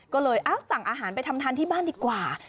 ก็เลยสั่งอาหารไปทำทานที่บ้านดีกว่า